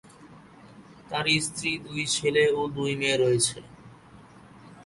তাঁর স্ত্রী, দুই ছেলে ও দুই মেয়ে রয়েছে।